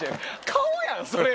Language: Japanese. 顔やんそれ！